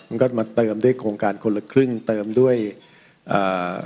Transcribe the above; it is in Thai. มันก็มาเติมด้วยโครงการคนละครึ่งเติมด้วยอ่า